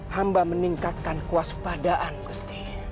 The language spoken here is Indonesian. hamba meningkatkan kuas padaan gusti